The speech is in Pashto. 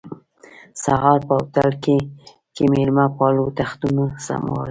سهار په هوټلګي کې مېلمه پالو تختونه سمول.